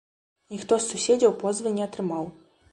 Ніхто з суседзяў позвы не атрымаў.